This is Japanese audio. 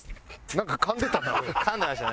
なんかかんでたな。